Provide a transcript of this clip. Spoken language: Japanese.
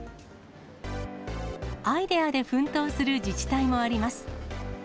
アイデアで奮闘する自治体もあります。